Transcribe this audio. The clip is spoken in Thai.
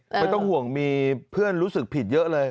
ไม่ต้องห่วงมีเพื่อนรู้สึกผิดเยอะเลย